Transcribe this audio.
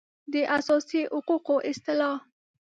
د اساسي حقوقو اصطلاح